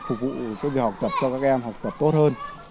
phục vụ việc học tập cho các em học tập tốt hơn